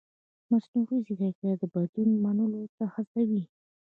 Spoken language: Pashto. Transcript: مصنوعي ځیرکتیا د بدلون منلو ته هڅوي.